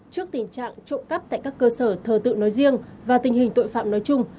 trước tình trạng trộm cắp tại các cơ sở thờ tự nói riêng và tình hình tội phạm nói chung